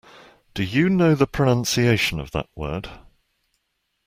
Do you know the pronunciation of that word?